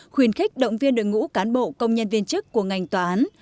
khuyến khích động viên đội ngũ cán bộ công nhân viên chức của ngành tòa án